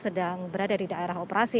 sedang berada di daerah operasi